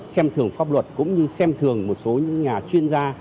xem thường pháp luật cũng như xem thường một số những nhà chuyên gia